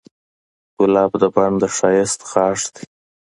ګلاب د بڼ د ښایست غاښ دی.